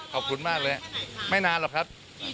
ขอบคุณมากเลยไม่นานหรอกครับ